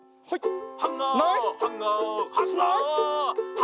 はい。